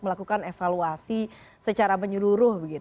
melakukan evaluasi secara menyeluruh